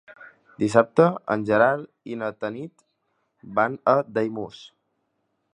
Dissabte en Gerard i na Tanit van a Daimús.